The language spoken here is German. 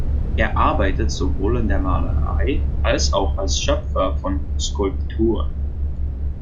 Er arbeitet sowohl in der Malerei, als auch als Schöpfer von Skulpturen.